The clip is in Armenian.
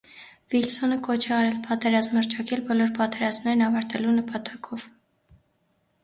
Վիլսոնը կոչ է արել «պատերազմ հռչակել բոլոր պատերազմներն ավարտելու նպատակով»։